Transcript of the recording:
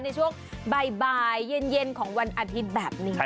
ในช่วงบ่ายเย็นของวันอาทิตย์แบบนี้